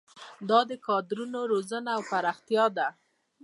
دا د کادرونو روزنه او پراختیا ده.